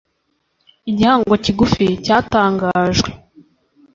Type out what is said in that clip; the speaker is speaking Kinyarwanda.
igihangano kigufi cyatangajwe